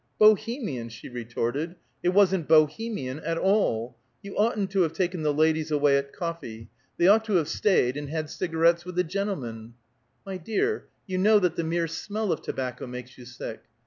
"Bohemian!" she retorted. "It wasn't Bohemian at all. You oughtn't to have taken the ladies away at coffee. They ought to have stayed and had cigarettes with the gentlemen." "My dear, you know that the mere smell of tobacco makes you sick!"